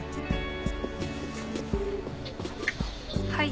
はい。